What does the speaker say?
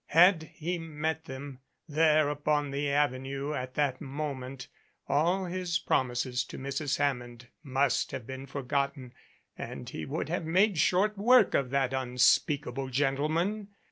Had he met them, there upon the Avenue at that moment, all his promises to Mrs. Hammond must have been forgotten and he would have made short work of that unspeakable gentleman.